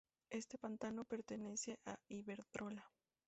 Este pantano pertenece a Iberdrola.